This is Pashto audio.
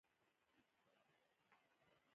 موږ ورغلو.